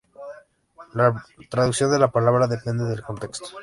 La traducción de la palabra depende del contexto.